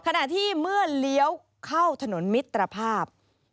ขณะที่เมื่อเลี้ยวเข้าถนนมิตรภาพ